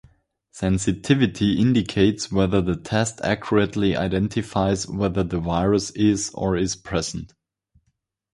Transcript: Sensitivity indicates whether the test accurately identifies whether the virus is or is present.